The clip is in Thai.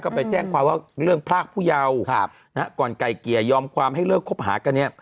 ไปแจ้งความว่าเรื่องพรากผู้เยาก่อนไก่เกลี่ยยอมความให้เลิกคบหากันเนี่ย